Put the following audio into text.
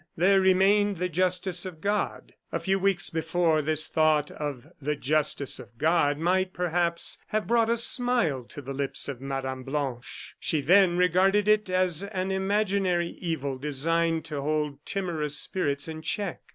There remained the justice of God. A few weeks before, this thought of "the justice of God" might, perhaps, have brought a smile to the lips of Mme. Blanche. She then regarded it as an imaginary evil, designed to hold timorous spirits in check.